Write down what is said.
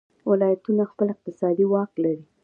ولایتونه خپل اقتصادي واک لري.